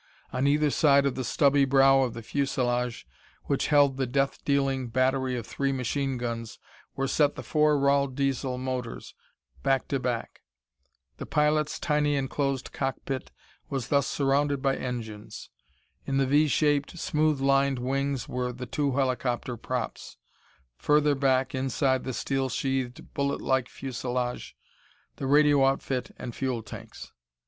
On either side of the stubby brow of the fuselage, which held the death dealing battery of three machine guns, were set the four Rahl Diesel motors, back to back. The pilot's tiny enclosed cockpit was thus surrounded by engines. In the V shaped, smooth lined wings were the two helicopter props; further back, inside the steel sheathed, bullet like fuselage, the radio outfit and fuel tanks.